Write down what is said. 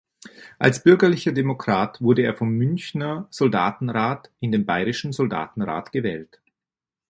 Als bürgerlicher Demokrat wurde er vom Münchner Soldatenrat in den Bayerischen Soldatenrat gewählt.